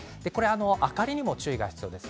明かりにも注意が必要です。